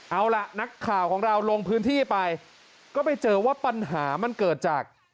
เอาล่ะนักข่าวของเราลงพื้นที่ไปก็ไปเจอว่าปัญหามันเกิดจาก